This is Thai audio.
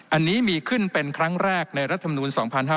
อันนี้มีขึ้นเป็นครั้งแรกในรัฐมนูล๒๕๕๙